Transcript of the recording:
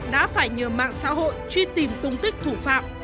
đã phải nhờ mạng xã hội truy tìm tung tích thủ phạm